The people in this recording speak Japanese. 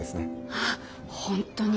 ああ本当に。